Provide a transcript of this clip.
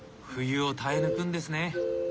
冬を耐え抜くんですね。